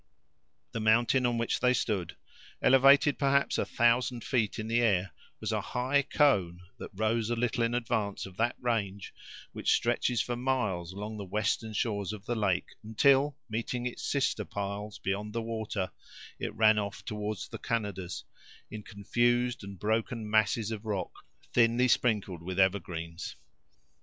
The mountain on which they stood, elevated perhaps a thousand feet in the air, was a high cone that rose a little in advance of that range which stretches for miles along the western shores of the lake, until meeting its sisters miles beyond the water, it ran off toward the Canadas, in confused and broken masses of rock, thinly sprinkled with evergreens.